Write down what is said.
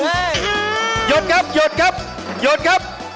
หยุดครับหยุดครับหยุดครับ